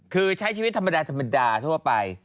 คือใช้ชีวิตธรรมดาทั่วไป